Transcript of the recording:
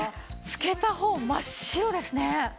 つけた方真っ白ですね！